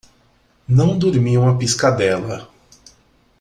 Não dormi uma piscadela